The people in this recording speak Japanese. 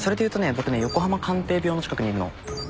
僕ね横浜関帝廟の近くにいるの。